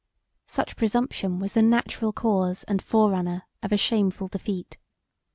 Such presumption was the natural cause and forerunner of a shameful defeat.